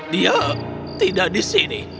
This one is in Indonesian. dia tidak di sini